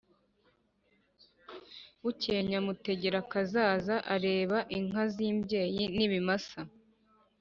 Bukeye, Nyamutegerakazaza areba inka z'imbyeyi n'ibimasa